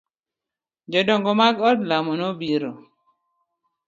Jodongo mag odlamo no biro.